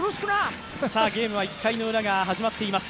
ゲームは１回のウラが始まっています。